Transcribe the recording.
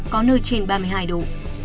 có nơi trên ba mươi hai độ